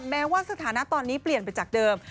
แม้ว่าสถานะตอนนี้เปลี่ยนไปจากเดิม